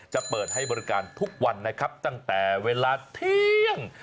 จะเปิดให้บริการทุกวันนะครับตั้งแต่เวลาเที่ยง